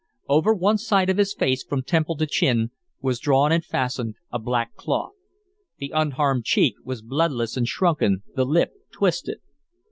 Over one side of his face, from temple to chin, was drawn and fastened a black cloth; the unharmed cheek was bloodless and shrunken, the lip twisted.